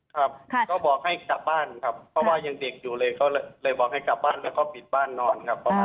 ครับก็บอกให้กลับบ้านครับเพราะว่ายังเด็กอยู่เลยเขาเลยบอกให้กลับบ้านแล้วก็ปิดบ้านนอนครับ